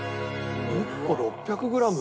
１個６００グラム？